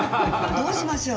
どうしましょう？